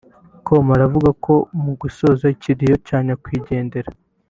com aravuga ko mu gusoza ikiriyo cya nyakwigendera